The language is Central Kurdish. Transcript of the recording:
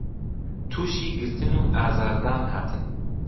تووشی گرتن و ئازار دان هاتن